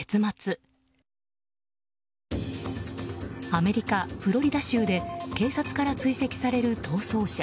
アメリカ・フロリダ州で警察から追跡される逃走車。